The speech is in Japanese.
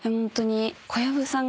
小籔さんが。